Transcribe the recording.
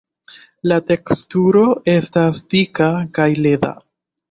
La teksturo estas dika kaj leda.